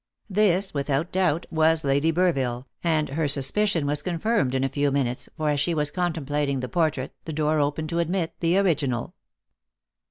This, without doubt, was Lady Burville, and her suspicion was confirmed in a few minutes, for as she was contemplating the portrait the door opened to admit the original.